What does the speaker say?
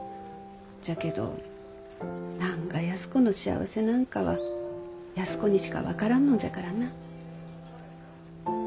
じゃけど何が安子の幸せなんかは安子にしか分からんのじゃからな。